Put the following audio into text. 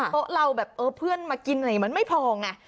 โต๊ะเราแบบเพื่อนมากินไหนมันไม่พอไง